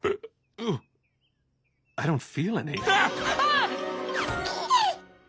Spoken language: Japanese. うわあっ！